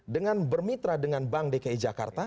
dengan bermitra dengan bank dki jakarta